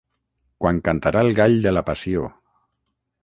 Quan cantarà el gall de la Passió.